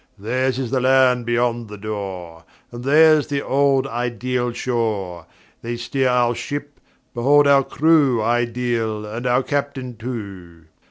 "Theirs is the Land beyond the Door, And theirs the old ideal shore. They steer our ship: behold our crew Ideal, and our Captain too.